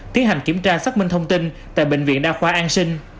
tiến hành kiểm tra xác minh thông tin tại bệnh viện đa khoa an sinh